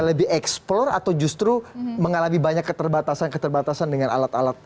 lebih eksplor atau justru mengalami banyak keterbatasan keterbatasan dengan alat alat